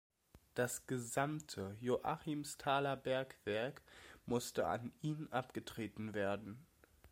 Das gesamte Joachimsthaler Bergwerk musste an ihn abgetreten werden.